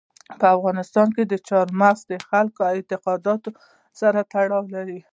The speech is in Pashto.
په افغانستان کې چار مغز د خلکو د اعتقاداتو سره تړاو لري.